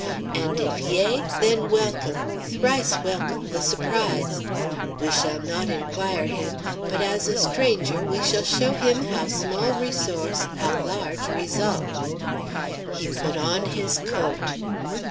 And if yea, then welcome, thrice welcome, the surprise! We shall not inquire him; but as a stranger we shall show him with how small reso'ce how large result." He put on his coat.